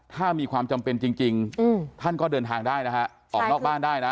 ถ้ามีความจำเป็นจริงท่านก็เดินทางได้นะฮะออกนอกบ้านได้นะ